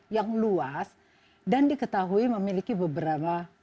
yang luas dan diketahui memiliki beberapa